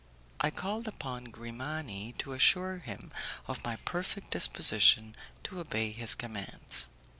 I called upon Grimani to assure him of my perfect disposition to obey his commands.